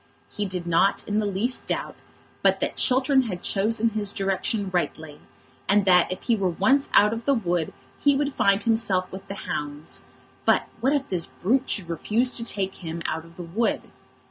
He did not in the least doubt but that Chiltern had chosen his direction rightly, and that if he were once out of the wood he would find himself with the hounds; but what if this brute should refuse to take him out of the wood?